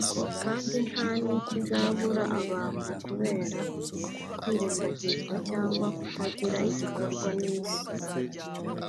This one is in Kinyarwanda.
kandi nta nikizabura abantu kubera kwirengagizwa cyangwa kutagira igikorwa n’Isi